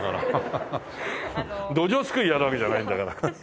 ドジョウすくいやるわけじゃないんだから。